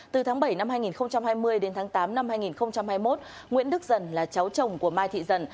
từ tháng bảy năm hai nghìn hai mươi đến tháng tám năm hai nghìn hai mươi một nguyễn đức dần là cháu chồng của mai thị dần